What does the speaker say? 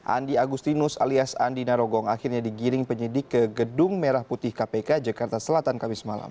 andi agustinus alias andi narogong akhirnya digiring penyidik ke gedung merah putih kpk jakarta selatan kamis malam